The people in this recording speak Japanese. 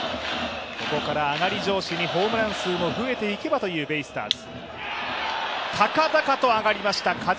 ここから上がり調子にホームラン数も増えていけばというベイスターズ。